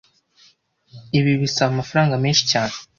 Ibi bisaba amafaranga menshi cyane